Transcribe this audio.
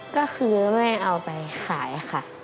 ก็คือไม่เอาไปขายค่ะ